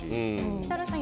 設楽さん